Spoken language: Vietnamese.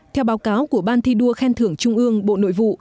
theo báo cáo của ban thi đua khen thưởng trung ương bộ nội vụ